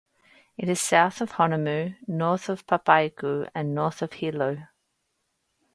It is south of Honomu, north of Papaikou, and north of Hilo.